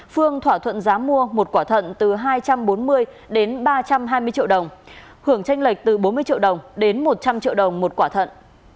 phương thỏa thuận giá mua một quả thận từ hai trăm bốn mươi đến ba trăm hai mươi triệu đồng hưởng tranh lệch từ bốn mươi triệu đồng đến một trăm linh triệu đồng một quả thận